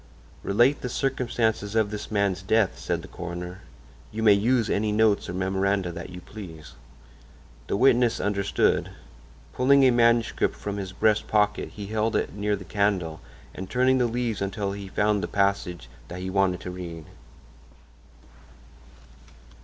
"Relate the circumstances of this man's death," said the coroner. "You may use any notes or memoranda that you please." The witness understood. Pulling a manuscript from his breast pocket he held it near the candle and turning the leaves until he found the passage that he wanted began to read.